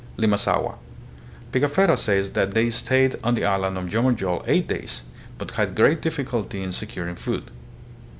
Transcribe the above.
Limasaua. Pigafetta says that they stayed on the island of Jomonjol eight days but had great difficulty in securing food.